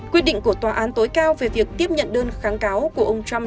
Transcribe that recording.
quyết định của tòa án tối cao về việc tiếp nhận đơn kháng cáo của ông trump